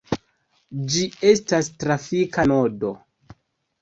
Ĝi estas trafika nodo.